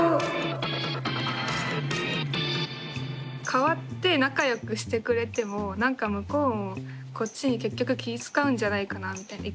変わって仲よくしてくれてもなんか向こうもこっちに結局気ぃ遣うんじゃないかなみたいな。